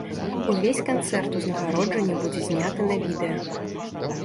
Увесь канцэрт-узнагароджанне будзе зняты на відэа.